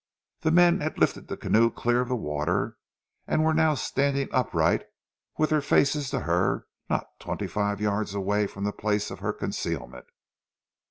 The men had lifted the canoe clear of the water and were now standing upright with their faces to her not twenty five yards from the place of her concealment.